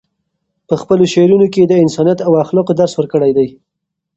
په خپلو شعرونو کې یې د انسانیت او اخلاقو درس ورکړی دی.